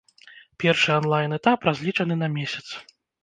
Першы анлайн-этап разлічаны на месяц.